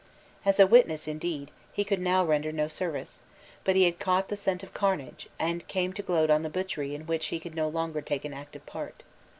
As a witness, indeed, he could now render no service: but he had caught the scent of carnage, and came to gloat on the butchery in which he could no longer take an active part.